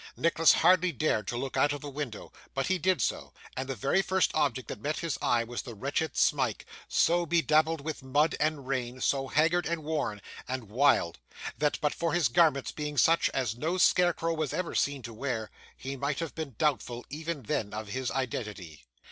Nicholas hardly dared to look out of the window; but he did so, and the very first object that met his eyes was the wretched Smike: so bedabbled with mud and rain, so haggard and worn, and wild, that, but for his garments being such as no scarecrow was ever seen to wear, he might have been doubtful, even then, of his identity.